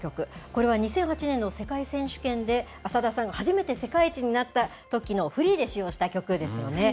これは２００８年の世界選手権で、浅田さんが初めて世界一になったときのフリーの曲で使用した曲ですよね。